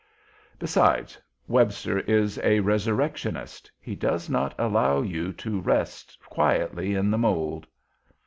"Besides, Webster is a resurrectionist; he does not allow u to rest quietly in the mould.